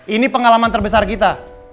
ini pengalaman terbesar kita